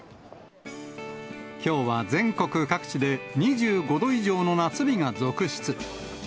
きょうは全国各地で２５度以上の夏日が続出。